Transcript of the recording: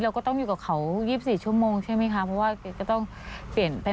เราก็ต้องอยู่กับเขา๒๔ชั่วโมงใช่ไหมคะ